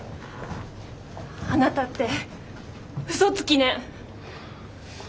あなたってうそつきね。